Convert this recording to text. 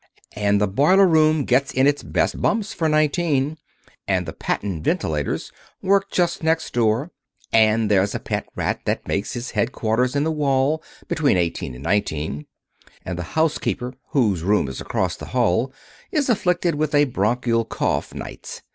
And the boiler room gets in its best bumps for nineteen, and the patent ventilators work just next door, and there's a pet rat that makes his headquarters in the wall between eighteen and nineteen, and the housekeeper whose room is across the hail is afflicted with a bronchial cough, nights.